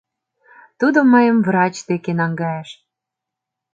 Тудо мыйым врач деке наҥгайыш.